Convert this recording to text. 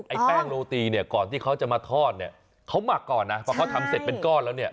ไอ้แป้งโรตีเนี่ยก่อนที่เขาจะมาทอดเนี่ยเขาหมักก่อนนะเพราะเขาทำเสร็จเป็นก้อนแล้วเนี่ย